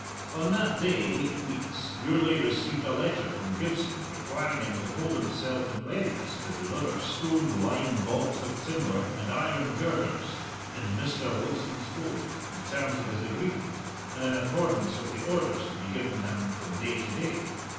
On that day eight weeks Gourlay received a letter from Gibson requiring him to hold himself in readiness to deliver stone, lime, baulks of timber, and iron girders in Mr. Wilson's holm, in terms of his agreement, and in accordance with the orders to be given him from day to day.